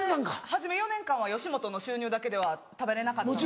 初め４年間は吉本の収入だけでは食べれなかったので。